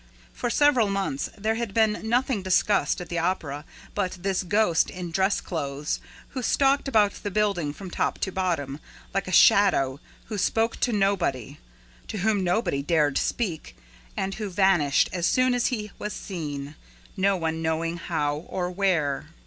For several months, there had been nothing discussed at the Opera but this ghost in dress clothes who stalked about the building, from top to bottom, like a shadow, who spoke to nobody, to whom nobody dared speak and who vanished as soon as he was seen, no one knowing how or where.